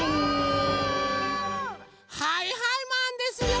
はいはいマンですよ！